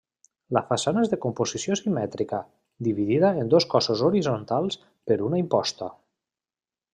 La façana és de composició simètrica, dividida en dos cossos horitzontals per una imposta.